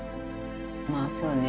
まあそうね。